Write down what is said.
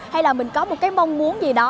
hay là mình có một cái mong muốn gì đó